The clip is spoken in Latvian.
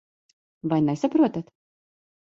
Vai nesaprotat?